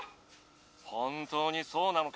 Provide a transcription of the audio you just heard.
本当にそうなのか？